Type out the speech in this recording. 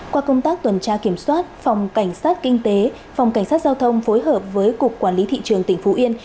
qua công tác tuần tra kiểm soát phòng cảnh sát kinh tế phòng cảnh sát giao thông phối hợp với cục quản lý thị trường tỉnh phú yên